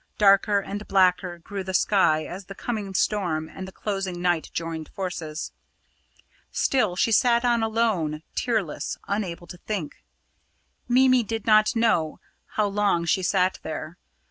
Darker and blacker grew the sky as the coming storm and the closing night joined forces. Still she sat on alone tearless unable to think. Mimi did not know how long she sat there.